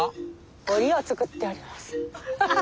おりを作っております！